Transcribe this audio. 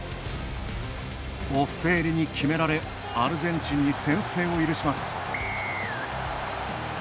ボッフェーリに決められアルゼンチンに先制を許します。